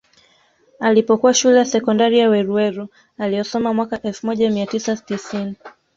Alipokuwa Shule ya Sekondari ya Weruweru aliyosoma mwaka elfu moja mia tisa tisini